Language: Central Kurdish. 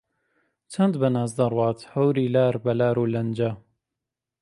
چەند بە ناز دەڕوات هەوری لار بە لارو لەنجە